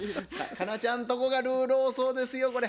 佳奈ちゃんとこがルール多そうですよこれ。